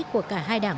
của cả hai đảng